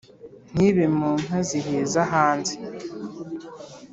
ntibe mu nka ziheza hanze